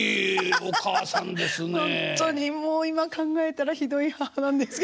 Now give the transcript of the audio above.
ほんとにもう今考えたらひどい母なんですけど。